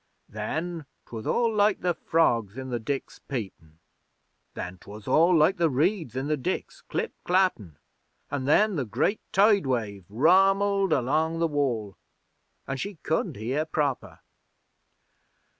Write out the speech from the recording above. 'Then 'twas all like the frogs in the diks peepin'; then 'twas all like the reeds in the diks clip clappin'; an' then the great Tide wave rummelled along the Wall, an' she couldn't hear proper.